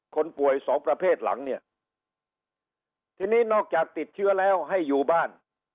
คนป่วยสองประเภทหลังเนี่ยทีนี้นอกจากติดเชื้อแล้วให้อยู่บ้าน